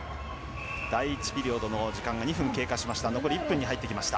第１ピリオドの時間が２分経過しました。